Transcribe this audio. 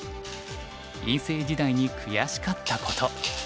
院生時代に悔しかったこと。